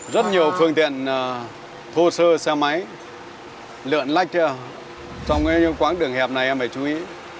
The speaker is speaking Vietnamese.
rất nhiều phương tiện thô sơ xe máy lượn lách trong quãng đường hẹp này em phải chú ý